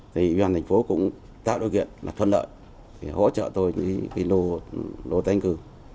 thì ủy ban thành phố cũng tạo đối kiện là thuận lợi hỗ trợ tôi đi lô tanh cư